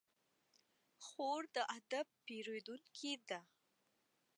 خور د ادب پېرودونکې ده.